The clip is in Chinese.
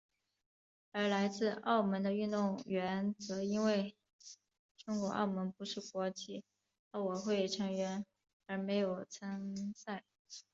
而来自澳门的运动员则因为中国澳门不是国际奥委会成员而没有参赛。